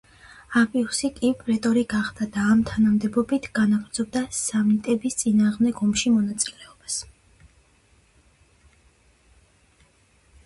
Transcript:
აპიუსი კი პრეტორი გახდა და ამ თანამდებობით განაგრძობდა სამნიტების წინააღმდეგ ომში მონაწილეობას.